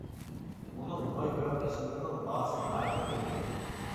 ئۇنىڭ ماي بوياق رەسىملىرىنىڭ باھاسى ناھايىتى يۇقىرى ئىدى.